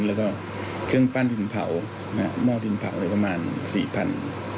แล้วก็เครื่องปั้นดินเผามอดดินเผาประมาณ๔๐๐๐ชิ้น